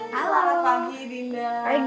jadi semuanya nyambung